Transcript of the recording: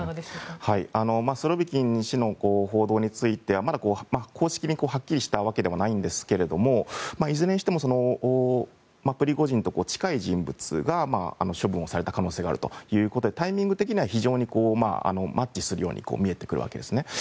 スロビキン氏の報道についてはまだ公式にはっきりしたわけではないですがいずれにしてもプリゴジンと近い人物が処分された可能性があるということでタイミング的には非常にマッチするように見えてくるわけですね。